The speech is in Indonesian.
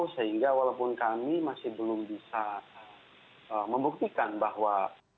sehingga walaupun kami masih belum bisa membuktikan bahwa